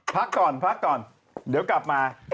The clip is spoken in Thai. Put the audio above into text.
พักก่อนเดี๋ยวกลับมา